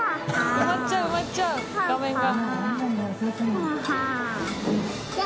埋まっちゃう埋まっちゃう画面が。